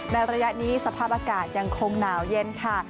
ระยะนี้สภาพอากาศยังคงหนาวเย็นค่ะ